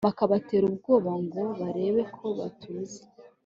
bakabatera ubwoba ngo barebe ko batuza